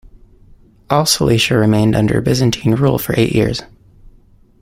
All Cilicia remained under Byzantine rule for eight years.